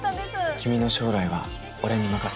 君の将来は俺に任せて。